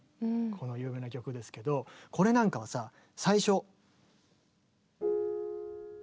有名な曲ですけどこれなんかはさ最初。